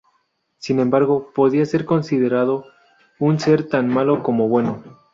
Sin embargo, podía ser considerado un ser tanto malo como bueno.